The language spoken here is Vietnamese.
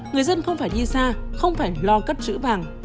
người dân không phải đi xa không phải lo cất chữ vàng